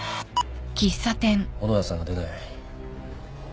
小野田さんが出ない。